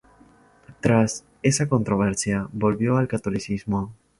Tras esa controversia, volvió al catolicismo.